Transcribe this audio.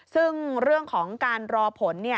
ซึ่งเรื่องของการรอผล